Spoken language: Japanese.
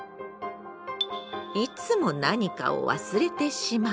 いつも何かを忘れてしまう。